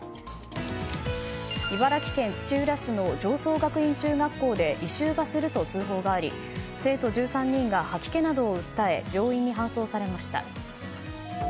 茨城県土浦市の常総学院中学校で異臭がすると通報があり生徒１３人が吐き気などを訴え病院に搬送されました。